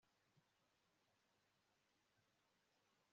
ninde uzamenya umunsi umwe, ubusa, ko intego ye yonyine